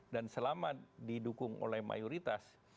dan selama didukung oleh mayoritas